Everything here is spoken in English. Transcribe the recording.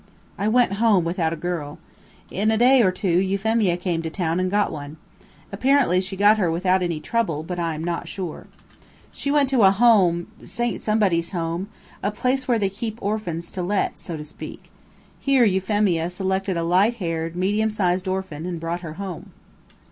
I went home without a girl. In a day or two Euphemia came to town and got one. Apparently she got her without any trouble, but I am not sure. She went to a "Home" Saint Somebody's Home a place where they keep orphans to let, so to speak. Here Euphemia selected a light haired, medium sized orphan, and brought her home.